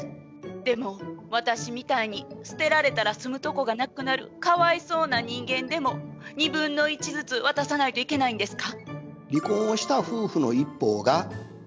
でも私みたいに捨てられたら住むとこがなくなるかわいそうな人間でも２分の１ずつ渡さないといけないんですか？